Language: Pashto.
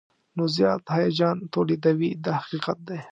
نو زیات هیجان تولیدوي دا حقیقت دی.